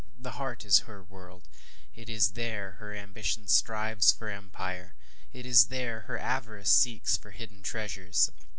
The heart is her world; it is there her ambition strives for empire it is there her avarice seeks for hidden treasures.